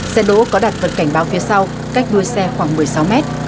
xe đỗ có đặt vật cảnh báo phía sau cách đuôi xe khoảng một mươi sáu mét